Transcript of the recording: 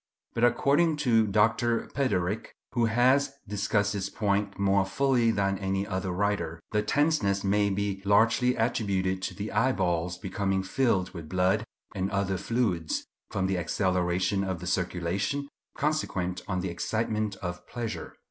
But, according to Dr. Piderit, who has discussed this point more fully than any other writer, the tenseness may be largely attributed to the eyeballs becoming filled with blood and other fluids, from the acceleration of the circulation, consequent on the excitement of pleasure.